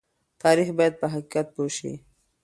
تاریخ باید په حقیقت پوه شي.